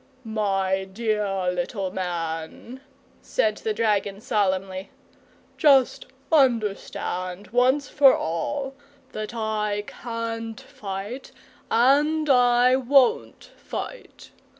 "My dear little man," said the dragon solemnly, "just understand, once for all, that I can't fight and I won't fight.